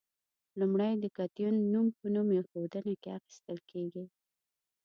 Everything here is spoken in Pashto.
لومړی د کتیون نوم په نوم ایښودنه کې اخیستل کیږي.